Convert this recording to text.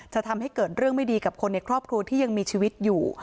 ทำให้เกิดเรื่องไม่ดีกับคนในครอบครัวที่ยังมีชีวิตอยู่